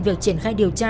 việc triển khai điều tra